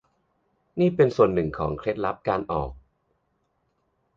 นี่เป็นส่วนหนึ่งของเคล็ดลับการออก